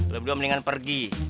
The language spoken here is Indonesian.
lu dua mendingan pergi